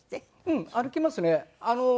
うん歩きますね。